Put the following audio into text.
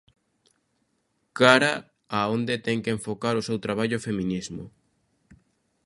Cara a onde ten que enfocar o seu traballo o feminismo?